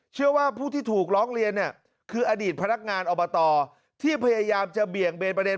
เชื่อว่าผู้ที่ถูกร้องเรียนเนี่ยคืออดีตพนักงานอบตที่พยายามจะเบี่ยงเบนประเด็น